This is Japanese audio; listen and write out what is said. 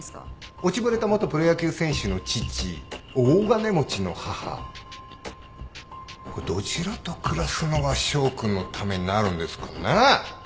落ちぶれた元プロ野球選手の父大金持ちの母どちらと暮らすのが翔君のためになるんですかね？